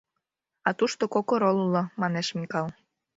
А тушто кок орол уло, манеш Микал.